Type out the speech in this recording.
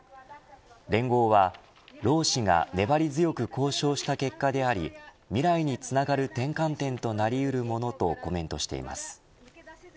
連合は、労使が粘り強く交渉した結果であり未来につながる転換点となり得るものとコメントしています。